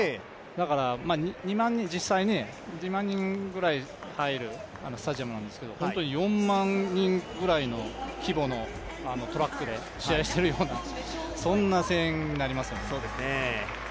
だから実際に、２万人くらい入るスタジアムなんですけれども、本当に４万人ぐらいの規模のトラックで試合しているような声援になりますね。